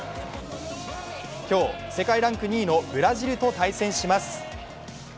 今日、世界ランク２位のブラジルと対戦します。